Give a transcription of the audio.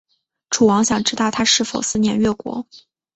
楚王想知道他是否思念越国。